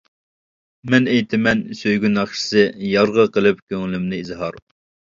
مەن ئېيتىمەن سۆيگۈ ناخشىسى، يارغا قىلىپ كۆڭلۈمنى ئىزھار.